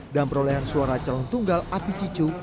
dan perolehan suara calon tunggal api cicu